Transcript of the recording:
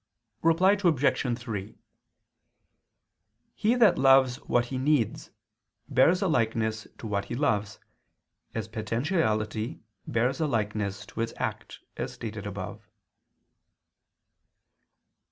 Reply Obj. 3: He that loves what he needs, bears a likeness to what he loves, as potentiality bears a likeness to its act, as stated above.